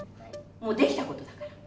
もう、できたことだから。